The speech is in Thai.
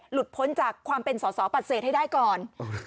หลุดพ้นจากความเป็นสอบปัดเศษให้ได้ก่อน